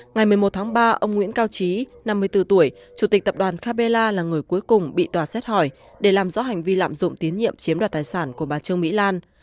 ngày một mươi một tháng ba ông nguyễn cao trí năm mươi bốn tuổi chủ tịch tập đoàn capella là người cuối cùng bị tòa xét hỏi để làm rõ hành vi lạm dụng tín nhiệm chiếm đoạt tài sản của bà trương mỹ lan